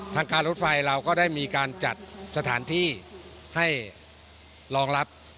ทางการรถไฟเราก็ได้มีการจัดสถานที่ให้รองรับ